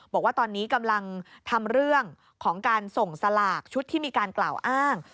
บอกว่าตอนนี้กำลังทำเรื่องของการส่งสลากชุดที่มีการกล่าวอ้าง